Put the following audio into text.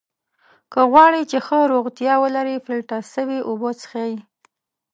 که غواړی چې ښه روغتیا ولری ! فلټر سوي اوبه څښئ!